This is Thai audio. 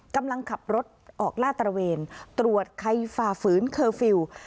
กำลังขับรถออกล่าตระเวนตรวจใครฝ่าฝืนเคอร์ฟิลล์